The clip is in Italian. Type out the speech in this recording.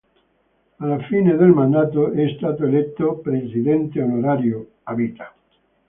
Alla fine del mandato è stato eletto "Presidente Onorario" a vita.